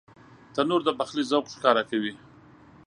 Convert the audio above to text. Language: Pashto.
تنور د پخلي ذوق ښکاره کوي